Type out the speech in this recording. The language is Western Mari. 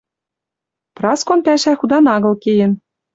Праскон пӓшӓ худан агыл кеен